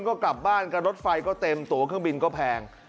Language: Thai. ก็กลับบ้านกันรถไฟก็เต็มตัวเครื่องบินก็แพง